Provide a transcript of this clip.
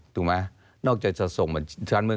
ถึงว่านอกจะจะที่จะส่งบัญชี